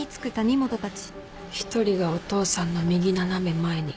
１人がお父さんの右斜め前に。